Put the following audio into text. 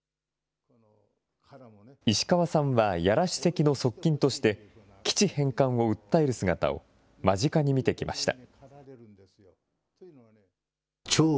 石川さんは屋良主席の側近として、基地返還を訴える姿を、間近に見てきました。